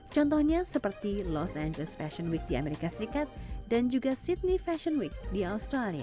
contohnya seperti los angeles fashion week di amerika serikat dan juga sydney fashion week di australia